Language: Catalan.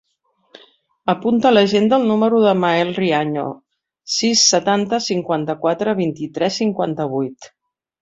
Apunta a l'agenda el número del Mael Riaño: sis, setanta, cinquanta-quatre, vint-i-tres, cinquanta-vuit.